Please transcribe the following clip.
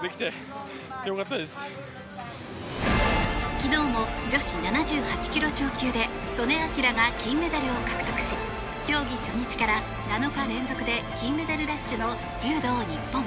昨日も女子７８ｋｇ超級で素根輝が金メダルを獲得し競技初日から７日連続で金メダルラッシュの柔道日本。